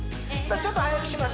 ちょっと速くします